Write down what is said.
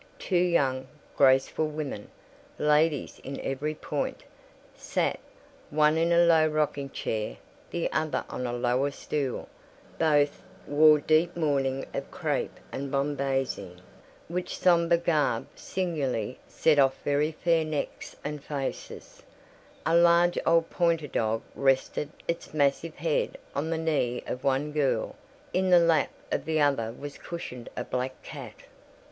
Two young, graceful women—ladies in every point—sat, one in a low rocking chair, the other on a lower stool; both wore deep mourning of crape and bombazeen, which sombre garb singularly set off very fair necks and faces: a large old pointer dog rested its massive head on the knee of one girl—in the lap of the other was cushioned a black cat.